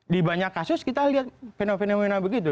di banyak kasus kita lihat fenomena fenomena begitu